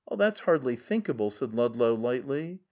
"That's hardly thinkable." said Ludlow lightly.